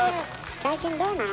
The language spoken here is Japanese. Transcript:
最近どうなの？